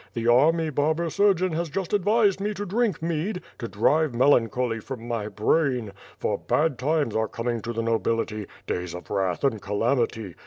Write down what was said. The army barber surgeon has just advised me to drink mead, to drive melan choly from my brain. For bad times are coming to the no bility,— days of wrath and calamity.